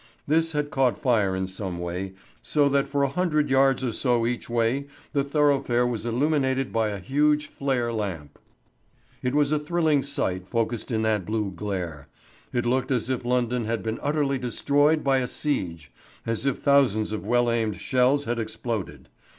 This had caught fire in some way, so that for a hundred yards or so each way the thoroughfare was illuminated by a huge flare lamp. It was a thrilling sight focussed in that blue glare. It looked as if London had been utterly destroyed by a siege as if thousands of well aimed shells had exploded.